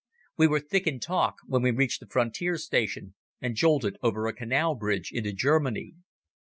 We were thick in talk when we reached the frontier station and jolted over a canal bridge into Germany.